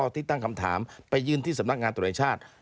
ที่ตั้งคำถามไปยืนที่สำนักงานตรวจแห่งชาติ